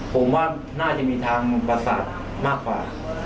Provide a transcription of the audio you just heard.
ผมว่าน่าจะมีทางประสาทมากกว่า